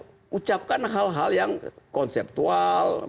dia ucapkan hal hal yang konseptual